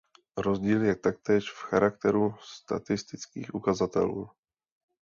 Rozdíl je taktéž v charakteru statistických ukazatelů.